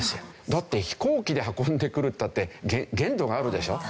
だって飛行機で運んでくるったって限度があるでしょ？